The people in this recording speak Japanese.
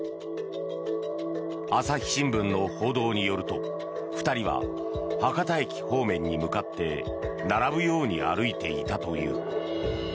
朝日新聞の報道によると２人は博多駅方面に向かって並ぶように歩いていたという。